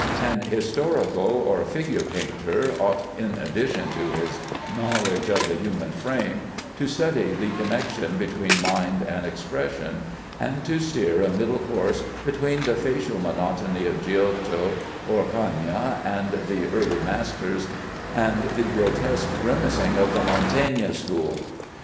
An historical or figure painter ought, in addition to his knowledge of the human frame, to study the connection between mind and expression, and to steer a middle course between the facial monotony of Giotto, Orcagna, and the early masters, and the grotesque grimacing of the Mantegna school.